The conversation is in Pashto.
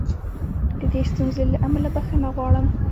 د دې ستونزې له امله بښنه غواړم.